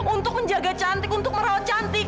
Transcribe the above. untuk menjaga cantik untuk merawat cantik